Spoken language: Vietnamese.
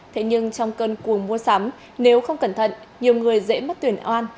thế nhưng trong cơn cuồng mua sắm nếu không cẩn thận nhiều người dễ mất tuyển oan